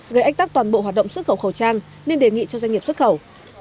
gây ách tắc toàn bộ hoạt động xuất khẩu khẩu trang nên đề nghị cho doanh nghiệp xuất khẩu